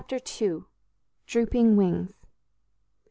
II. DROOPING WINGS.